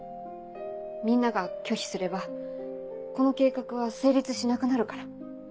みんなが拒否すればこの計画は成立しなくなるから。